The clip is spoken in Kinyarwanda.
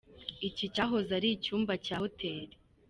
Iki cyahoze ari icyumba cya Hotel.